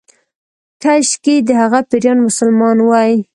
کشکې د هغې پيريان مسلمان وای